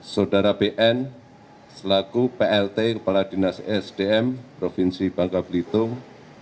saudara bn selaku plt kepala dinas sdm provinsi bangka belitung